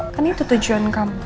kan itu tujuan kamu